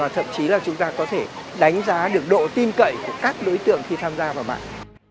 chính là chúng ta có thể đánh giá được độ tim cậy của các đối tượng khi tham gia vào mạng